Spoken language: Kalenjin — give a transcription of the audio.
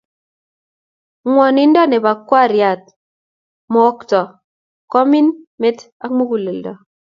ng'wonindo nebo kwariat, mokto, koamin met ak mang'dae